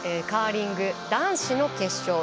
カーリング男子の決勝。